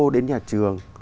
đến nhà trường